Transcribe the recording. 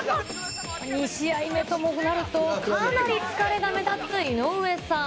２試合目ともなるとかなり疲れが目立つ井上さん。